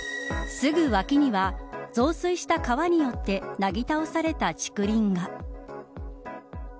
すぐ脇には増水した川によってなぎ倒された竹林が。